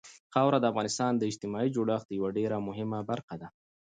خاوره د افغانستان د اجتماعي جوړښت یوه ډېره مهمه برخه ده.